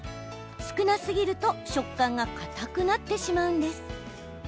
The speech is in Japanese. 少なすぎると食感がかたくなってしまうんです。